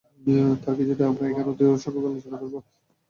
তার কিছুটা আমরা এখানে অতি সংক্ষেপে আলোচনা করব।